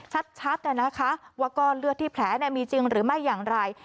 ชัดนะคะว่าก้อนเลือดที่แผลมีจริงหรือไม่อย่างไร